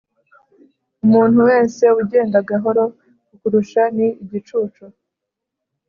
umuntu wese ugenda gahoro kukurusha ni igicucu,